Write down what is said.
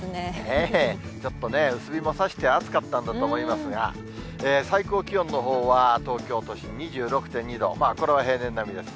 ちょっとね、薄日もさして、暑かったんだと思いますが、最高気温のほうは東京都心２６．２度、これは平年並みです。